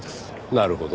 なるほど。